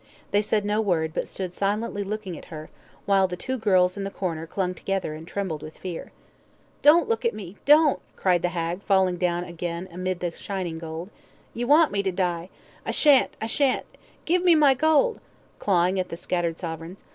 They said no word, but stood silently looking at her, while the two girls in the corner clung together, and trembled with fear. "Don't look at me don't," cried the hag, falling down again amid the shining gold. "Ye want me to die, I shan't I shan't give me my gold," clawing at the scattered sovereigns.